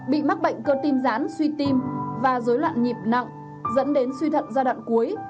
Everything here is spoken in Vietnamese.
bị mắc bệnh cơ tim rán suy tim và dối loạn nhịp nặng dẫn đến suy thận giai đoạn cuối